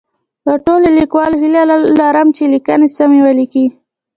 له ټولو لیکوالو هیله لرم چي لیکنې سمی ولیکي